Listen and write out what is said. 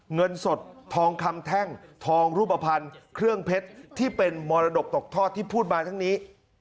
เงินสดทองคำแท่งทองรูปภัณฑ์เครื่องเพชรที่เป็นมรดกตกทอดที่พูดมาทั้งนี้